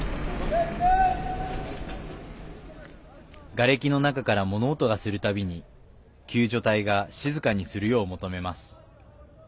がれきの中から物音がする度に救助隊が静かにするよう求めます。